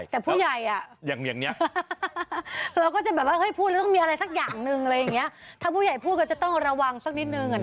ต่อผู้ใหญ่เราก็ว่าพูดเรามีอะไรสักอย่างหนึ่งถ้าผู้ใหญ่พูดจะต้องระวังสักนิดนึง